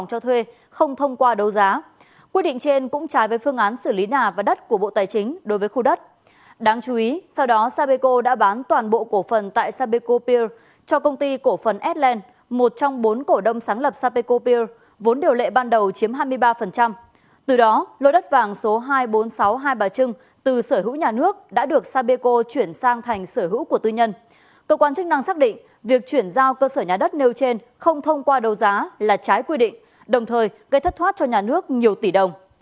cơ quan chức năng xác định việc chuyển giao cơ sở nhà đất nêu trên không thông qua đầu giá là trái quy định đồng thời gây thất thoát cho nhà nước nhiều tỷ đồng